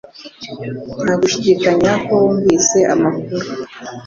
Nta gushidikanya ko wumvise amakuru